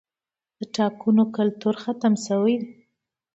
د پاټکونو کلتور ختم شوی